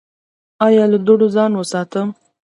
ایا له دوړو ځان وساتم؟